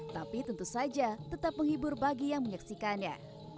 tapi tentu saja tetap menghibur bagi yang menyaksikannya